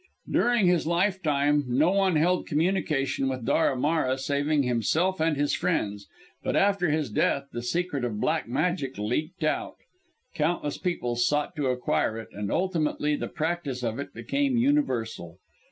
During his lifetime no one held communication with Daramara saving himself and his friends, but after his death the secret of black magic leaked out; countless people sought to acquire it, and ultimately the practice of it became universal.